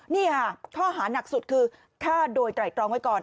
นี่ค่ะข้อหานักสุดคือฆ่าโดยไตรตรองไว้ก่อน